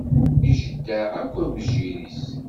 Ijeddeɛ akk aweggir-is.